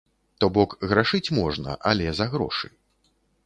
То-бок грашыць можна, але за грошы.